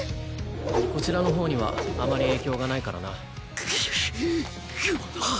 こちらの方にはあまり影響がないからなくっ